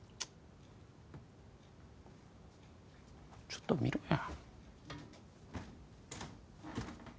ちょっと見ろや。